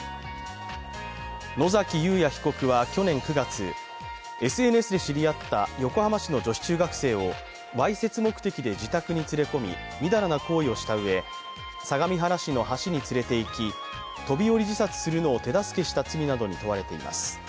野崎祐也被告は去年９月ＳＮＳで知り合った横浜市の女子中学生をわいせつ目的で自宅に連れ込み、淫らな行為をしたうえ、相模原市の橋に連れていき、飛び降り自殺するのを手助けした罪などに問われています。